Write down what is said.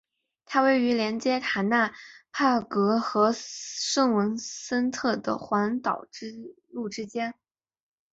它位于连接塔纳帕格和圣文森特的环岛路之间。